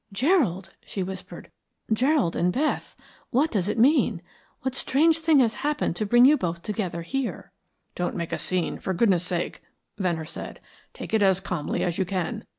"Gerald," she whispered. "Gerald and Beth. What does it mean? What strange thing has happened to bring you both together here." "Don't make a scene, for goodness' sake," Venner said. "Take it as calmly as you can.